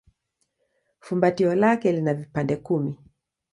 Fumbatio lake lina vipande kumi.